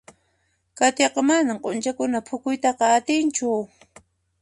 Katiaqa manan k'anchaqkunata phukuyta atinchu.